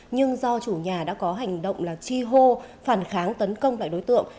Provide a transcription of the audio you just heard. nhưng do chủ nhà đã có hành động là chi hô phản kháng tấn công lại đối tượng